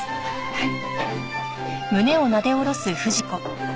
はい。